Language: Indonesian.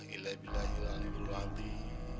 ilai billahi lalaihi'l alamin